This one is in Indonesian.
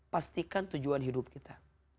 pastikan tujuan hidup kita